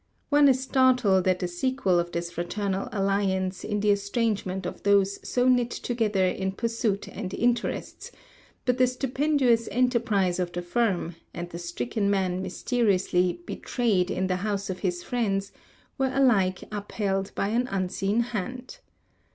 One is startled at the sequel of this fraternal alliance in the estrangement of those so knit together in pursuit and interest; but the stupendous enterprise of the firm, and the stricken man mysteriously "betrayed in the house of his friends," were alike upheld by an Unseen Hand.